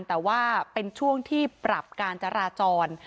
แต่ว่าเป็นช่วงที่ปรับการจราจร